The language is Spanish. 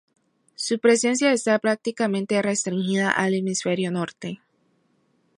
Su presencia está prácticamente restringida al Hemisferio Norte.